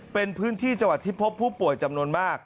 เป็นพื้นที่จังหวัดที่พบผู้ป่วยจำนวนมาก